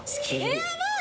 やばい！